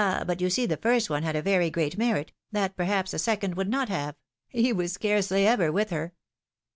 but you see the first one had a very great merit, that perhaps the second would not have : he was scarcely ever with her